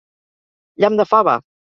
Llamp de fava!